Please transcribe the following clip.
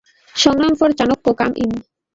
সংগ্রাম for Chanakya, come in.